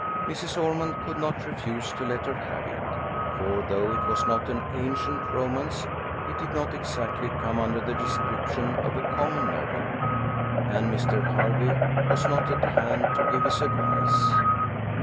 Mrs. Ormond could not refuse to let her have it; for, though it was not an ancient romance, it did not exactly come under the description of a common novel, and Mr. Hervey was not at hand to give his advice.